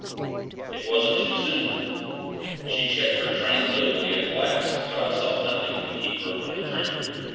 It wasn't too soon. She checked her train nobly at the last, but I saw nothing could keep her from the drink.